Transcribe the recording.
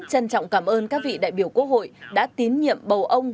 trân trọng cảm ơn các vị đại biểu quốc hội đã tín nhiệm bầu ông